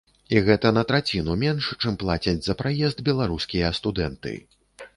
І гэта на траціну менш, чым плацяць за праезд беларускія студэнты.